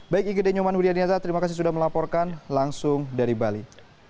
baik ike denyuman wili aninasa terima kasih sudah melaporkan langsung dari bali